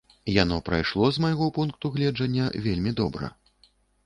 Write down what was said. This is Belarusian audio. Яно прайшло, з майго пункту гледжання, вельмі добра.